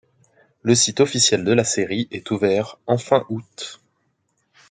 Le site officiel de la série est ouvert en fin août.